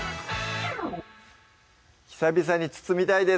久々に包みたいです